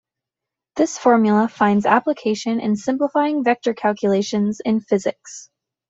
This formula finds application in simplifying vector calculations in physics.